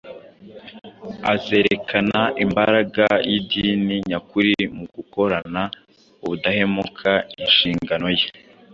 azerekana imbaraga y’idini nyakuri mu gukorana ubudahemuka inshingano ye.